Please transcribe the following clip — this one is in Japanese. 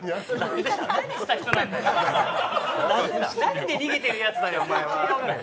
なんで逃げてるやつなんだよ、お前は。